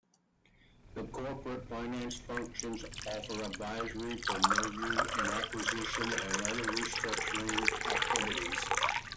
The corporate finance function offers advisory for mergers and acquisitions and other restructuring activities.